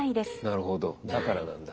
なるほどだからなんだ。